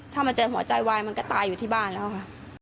ถ้ามาเจอหัวใจวายมันก็ตายอยู่ที่บ้านแล้วค่ะ